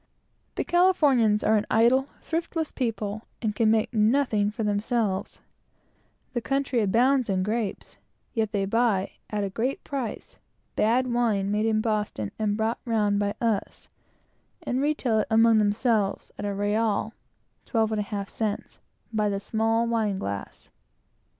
The Californians are an idle, thriftless people, and can make nothing for themselves. The country abounds in grapes, yet they buy bad wines made in Boston and brought round by us, at an immense price, and retail it among themselves at a real (12½ cents) by the small wine glass.